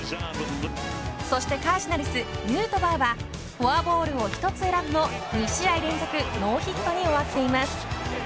そしてカージナルスヌートバーはフォアボールを１つ選ぶも２試合連続ノーヒットに終わっています。